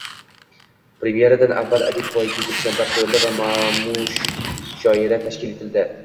Premyeradan avval adib poyiga gulchambar qoʻyildi va mushoira tashkil etildi.